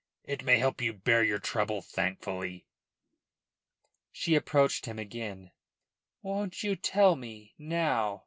It may help you to bear your trouble, thankfully." She approached him again. "Won't you tell me now?"